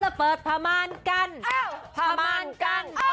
และเปิดพามารกันพามารกัน